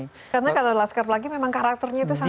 karena kalau laskar pelangi memang karakternya itu